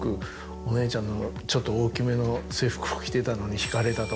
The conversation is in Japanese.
お姉ちゃんのちょっと大きめの制服を着てたのに。